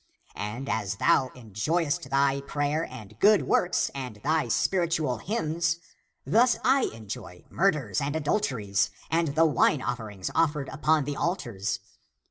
And as thou enjoyest thy prayer and good works and thy spiritual hymns, thus I enjoy mur ders and adulteries and the wine offerings offered 290 THE APOCRYPHAL ACTS Upon the altars.